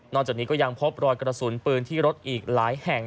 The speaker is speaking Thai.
จากนี้ก็ยังพบรอยกระสุนปืนที่รถอีกหลายแห่ง